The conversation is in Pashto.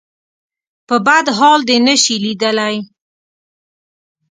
په بد حال دې نه شي ليدلی.